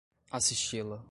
assisti-la